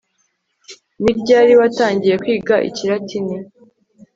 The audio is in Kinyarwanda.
ni ryari watangiye kwiga ikilatini